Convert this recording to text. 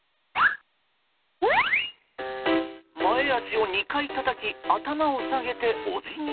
前脚を２回たたき頭を下げて、お辞儀？